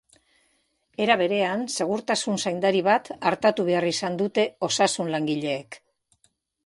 Era berean, segurtasun zaindari bat artatu behar izan dute osasun-langileek.